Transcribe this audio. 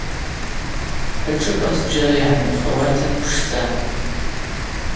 Ашӏыпӏа зджьара йгӏанымхауата йпшдзан.